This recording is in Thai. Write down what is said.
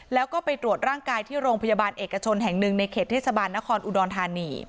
แล้วก็ไปตรวจร่างกายที่โรงพยาบาลเอกชนแห่งหนึ่งในเขตเทศบาลนครอุดรธานี